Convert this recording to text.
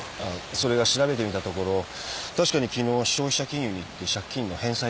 それが調べてみたところ確かに昨日消費者金融に行って借金の返済をしています。